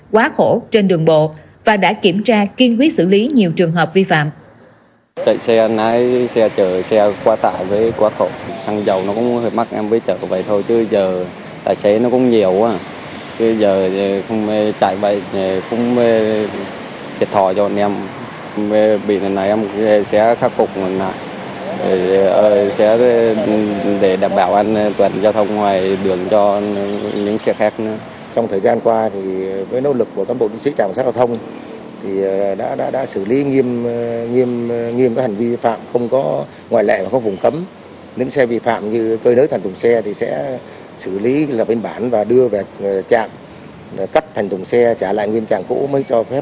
quá khổ trên đường bộ và đã kiểm tra kiên quyết xử lý nhiều trường hợp vi phạm